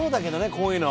こういうの。